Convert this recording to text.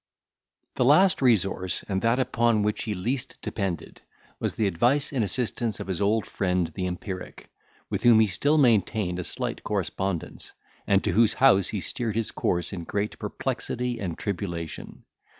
The last resource, and that upon which he least depended, was the advice and assistance of his old friend the empiric, with whom he still maintained a slight correspondence; and to whose house he steered his course, in great perplexity and tribulation.